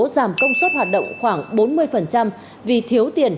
giảm công suất hoạt động khoảng bốn mươi vì thiếu tiền